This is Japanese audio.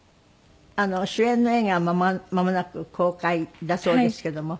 主演の映画間もなく公開だそうですけども。